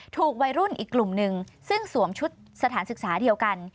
ถูกวัยรุ่นอีกกลุ่มหนึ่งซึ่งสวมชุดสถานศึกษาเดียวกัน